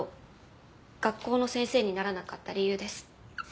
学校の先生にならなかった理由です。